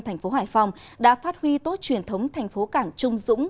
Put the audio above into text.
thành phố hải phòng đã phát huy tốt truyền thống thành phố cảng trung dũng